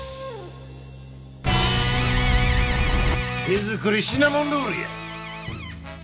手作りシナモンロールや。